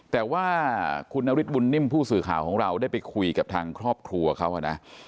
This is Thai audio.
แต่ว่าคุณนฤทธบุญนิ่มผู้สื่อข่าวของเราได้ไปคุยกับทางครอบครัวเขานะ